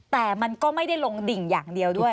แต่มันก็ไม่ได้ลงดิ่งอย่างเดียวด้วย